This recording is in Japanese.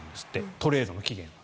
トレードの期限は。